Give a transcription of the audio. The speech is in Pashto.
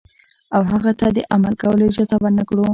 او هغه ته د عمل کولو اجازه ورنکړو.